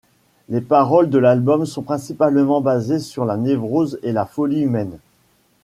Les paroles de l'album sont principalement basées sur la névrose et la folie humaine.